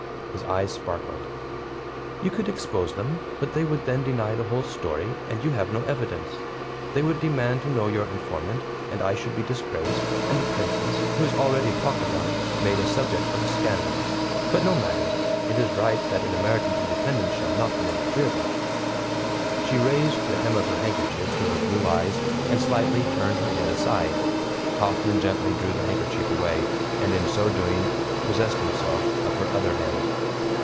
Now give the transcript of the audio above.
His eyes sparkled. "You could expose them, but they would then deny the whole story, and you have no evidence. They would demand to know your informant, and I should be disgraced, and the Princess, who is already talked about, made a subject of scandal. But no matter! It is right that an American's independence shall not be interfered with." She raised the hem of her handkerchief to her blue eyes and slightly turned her head aside. Hoffman gently drew the handkerchief away, and in so doing possessed himself of her other hand.